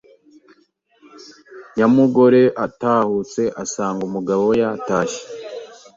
Nyamugore atahutse asanga umugabo yatashye